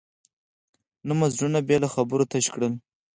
نه مو زړونه بې له خبرو تش کړل.